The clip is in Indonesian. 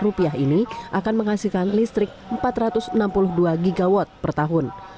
rp enam ratus tiga puluh lima ini akan menghasilkan listrik empat ratus enam puluh dua gw per tahun